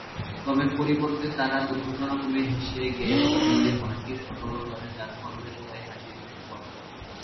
তবে পরিবর্তে তারা দুর্ঘটনাক্রমে হেসে গ্যাস দিয়ে হলটি সরবরাহ করে যার ফলে সবাই হাসির ফেটে পড়ে।